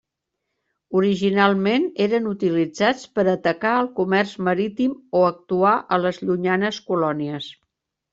Originalment eren utilitzats per atacar el comerç marítim o actuar a les llunyanes colònies.